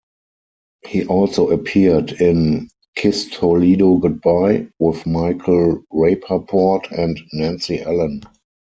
He also appeared in "Kiss Toledo Goodbye" with Michael Rapaport and Nancy Allen.